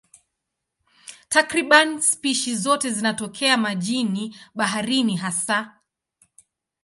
Takriban spishi zote zinatokea majini, baharini hasa.